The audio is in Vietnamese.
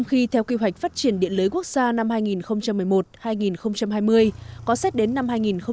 khi theo kế hoạch phát triển điện lưới quốc gia năm hai nghìn một mươi một hai nghìn hai mươi có xét đến năm hai nghìn hai mươi